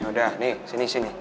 yaudah nih sini sini